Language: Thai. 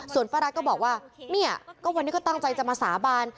ส่วนป้ารัฐก็บอกว่าเนี่ยก็วันนี้ก็ตั้งใจจะมาสาบาน